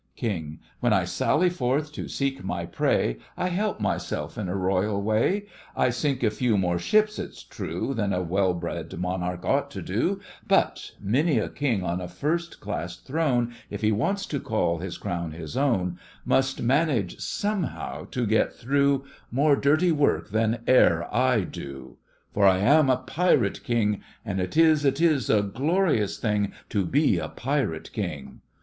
KING: When I sally forth to seek my prey I help myself in a royal way. I sink a few more ships, it's true, Than a well bred monarch ought to do; But many a king on a first class throne, If he wants to call his crown his own, Must manage somehow to get through More dirty work than e'er I do, For I am a Pirate King! And it is, it is a glorious thing To be a Pirate King!